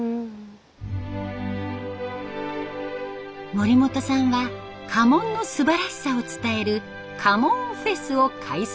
森本さんは家紋のすばらしさを伝える家紋フェスを開催。